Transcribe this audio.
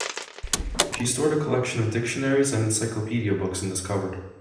She stored a collection of dictionaries and encyclopedia books in this cupboard.